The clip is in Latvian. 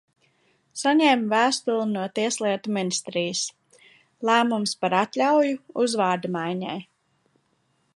Saņēmu vēstuli no Tieslietu ministrijas – lēmums par atļauju uzvārda maiņai.